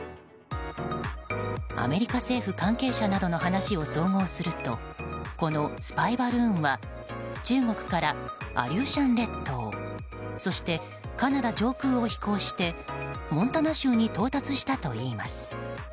アメリカ政府関係者などの話を総合するとこのスパイバルーンは中国からアリューシャン列島そして、カナダ上空を飛行してモンタナ州に到達したといいます。